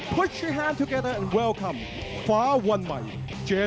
สวัสดีครับทายุรัฐมวยไทยไฟตเตอร์